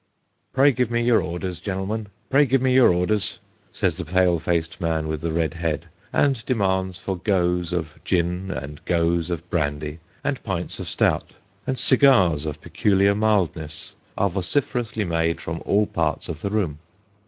" Pray give your orders, genl'm'n pray give your orders," says the pate faced man with the red head ; and demands foi " goes " of gin and " goes " of brandy, and pints of stout, and cigars of peculiar mild ness, are vociferously made from all parts of the room.